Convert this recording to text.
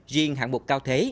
riêng hạng bục cao thế